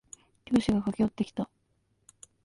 教師が駆け寄ってきた。